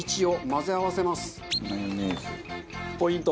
ポイント。